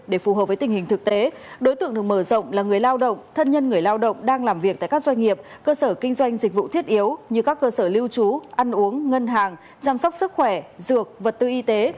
đối tượng được mở rộng là người lao động thân nhân người lao động đang làm việc tại các doanh nghiệp cơ sở kinh doanh dịch vụ thiết yếu như các cơ sở lưu trú ăn uống ngân hàng chăm sóc sức khỏe dược vật tư y tế